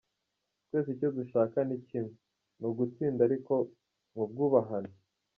Twese icyo dushaka ni kimwe, ni ugutsinda ariko mu bwubahane.